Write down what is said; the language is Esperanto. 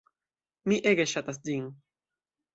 Mi ege ŝatas ĝin.